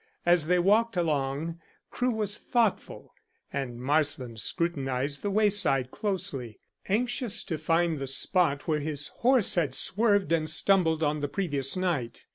As they walked along, Crewe was thoughtful, and Marsland scrutinized the way side closely, anxious to find the spot where his horse had swerved and stumbled on the previous night.